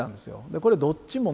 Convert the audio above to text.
これどっちもね